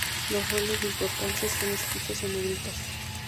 Los roles de importancia están escritos en negritas.